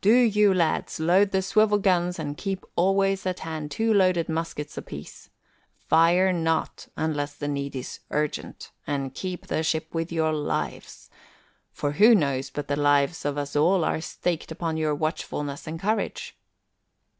Do you, lads, load the swivel guns and keep always at hand two loaded muskets apiece. Fire not unless the need is urgent, and keep the ship with your lives, for who knows but the lives of us all are staked upon your watchfulness and courage?